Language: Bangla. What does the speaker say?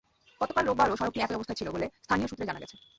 গতকাল রোববারও সড়কটি একই অবস্থায় ছিল বলে স্থানীয় সূত্রে জানা গেছে।